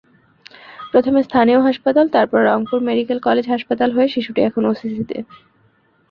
প্রথমে স্থানীয় হাসপাতাল, তারপর রংপুর মেডিকেল কলেজ হাসপাতাল হয়ে শিশুটি এখন ওসিসিতে।